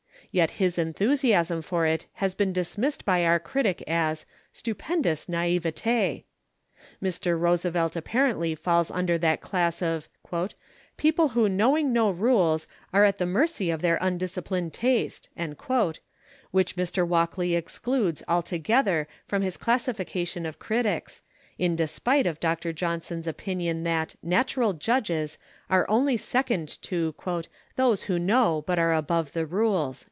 Yet his enthusiasm for it has been dismissed by our critic as "stupendous naïveté." Mr. Roosevelt apparently falls under that class of "people who knowing no rules, are at the mercy of their undisciplined taste," which Mr. Walkley excludes altogether from his classification of critics, in despite of Dr. Johnson's opinion that "natural judges" are only second to "those who know but are above the rules."